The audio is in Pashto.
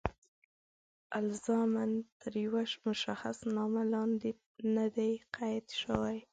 الزاماً تر یوه مشخص نامه لاندې نه دي قید شوي.